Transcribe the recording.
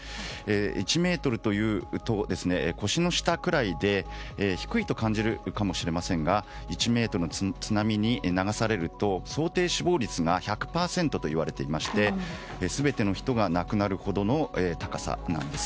１ｍというと腰の下ぐらいで低いと感じるかもしれませんが１ｍの津波に流されると想定死亡率が１００％といわれていまして全ての人が亡くなるほどの高さなんです。